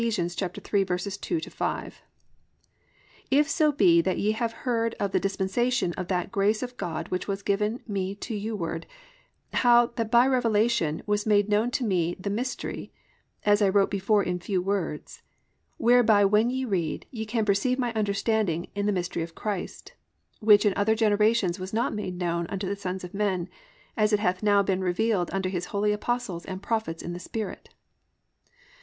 3:2 5: +"If so be that ye have heard of the dispensation of that grace of God which was given me to you ward; (3) how that by revelation was made known unto me the mystery, as I wrote before in few words, (4) whereby when ye read, ye can perceive my understanding in the mystery of Christ; (5) which in other generations was not made known unto the sons of men, as it hath now been revealed unto his holy apostles and prophets in the Spirit."